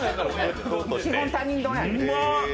基本、他人丼や。